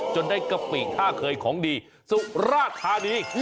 ได้กะปิท่าเคยของดีสุราธานี